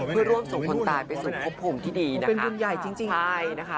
เพื่อรวมศพคนตายไปสู่ควบคุมที่ดีนะคะ